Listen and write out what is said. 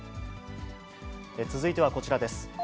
続いてはこちらです。